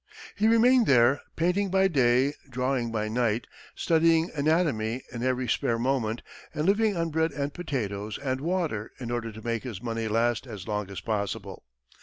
He remained there, painting by day, drawing by night, studying anatomy in every spare moment, and living on bread and potatoes and water in order to make his money last as long as possible.